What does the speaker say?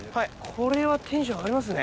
これはテンション上がりますね。